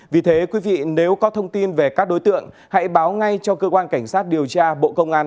vì thế quý vị nếu có thông tin về các đối tượng hãy báo ngay cho cơ quan cảnh sát điều tra bộ công an